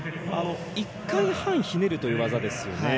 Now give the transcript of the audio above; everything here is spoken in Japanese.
１回半ひねるという技ですよね。